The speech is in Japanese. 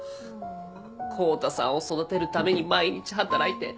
康太さんを育てるために毎日働いて。